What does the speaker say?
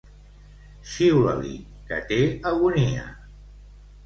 Xiula-li, que té agonia!